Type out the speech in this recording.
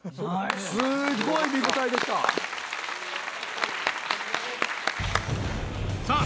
すっごい見応えでしたさあ